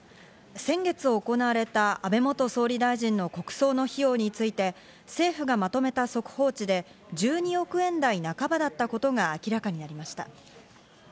先月行われた安倍元総理大臣の国葬の費用について、政府がまとめた速報値で、１２億円台半ばだったことが明らかになりました。